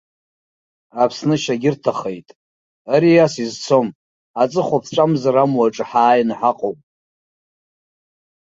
Аԥсны шьагьырҭахеит, ари ас изцом, аҵыхәа ԥҵәамзар амуа аҿы ҳааины ҳаҟоуп!